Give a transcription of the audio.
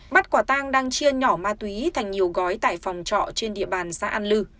bắt quả tang đang chia nhỏ ma túy thành nhiều gói tại phòng trọ trên địa bàn xã an lư